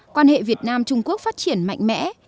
quan hệ việt nam trung quốc phát triển mạnh mẽ